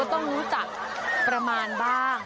ต้องรู้จักประมาณบ้าง